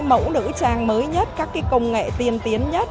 mẫu nữ trang mới nhất các công nghệ tiên tiến nhất